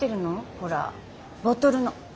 ほらボトルの。